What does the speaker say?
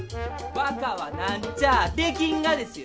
若はなんちゃあできんがですよ！